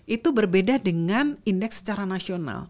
itu berbeda dengan indeks secara nasional